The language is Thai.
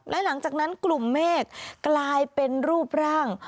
และหลังจากนั้นกลุ่มเมฆกลายเป็นรูปร่าง